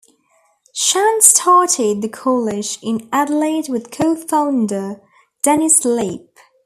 Chant started the college in Adelaide with co-founder Dennis Slape.